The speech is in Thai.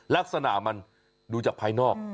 ลักษณะมันดูจากภายนอก